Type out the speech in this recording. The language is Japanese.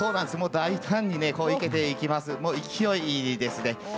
大胆に生けていきます勢いですね。